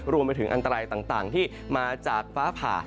รวมไปถึงอันตรายต่างที่มาจากฟ้าผ่า